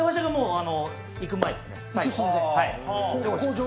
行く前ですね。